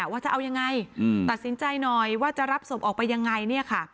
ว่าจะเอายังไงตัดสินใจหน่อยว่าจะรับศพออกไปยังไงเนี่ยค่ะ